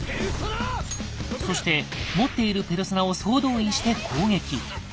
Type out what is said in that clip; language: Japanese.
そして持っているペルソナを総動員して攻撃。